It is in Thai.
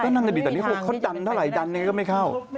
ก็นั่งจะดีแต่นี่เขาดันเท่าไรดันอย่างนี้ก็ไม่เข้า